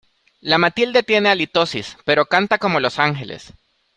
La Matilde tiene halitosis, pero canta como los ángeles.